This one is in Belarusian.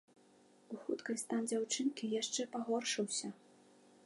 У хуткай стан дзяўчынкі яшчэ пагоршыўся.